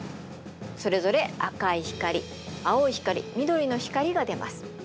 それぞれ赤い光青い光緑の光が出ます。